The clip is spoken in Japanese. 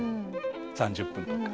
３０分とか。